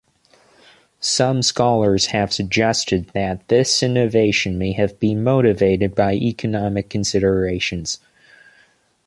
Some scholars have suggested that this innovation may have been motivated by economic considerations.